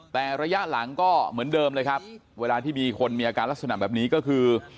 แต่ระยะหลังก็เหมือนเดิมเลยครับเวลาที่มีคนมีอาการลักษณะแบบนี้ก็คือ